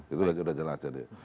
itu aja udah jelas aja deh